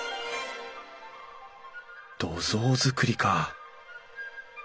土蔵造りか